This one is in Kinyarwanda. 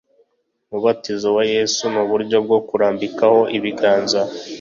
Umubatizo wa Yesu nuburyo bwo kurambikaho ibiganza